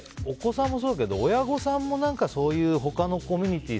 これ、お子さんもそうだけど親御さんも他のコミュニティー